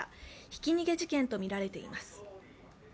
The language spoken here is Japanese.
ひき逃げ事件とみられています。